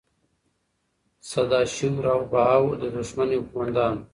سداشیو راو بهاو د دښمن یو قوماندان و.